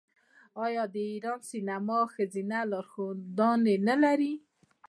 آیا د ایران سینما ښځینه لارښودانې نلري؟